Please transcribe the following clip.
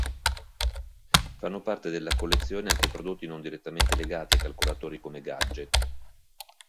Fanno parte della collezione anche prodotti non direttamente legati ai calcolatori come gadget.